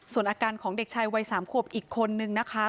ส่วนอาการของเด็กชายวัย๓ขวบอีกคนนึงนะคะ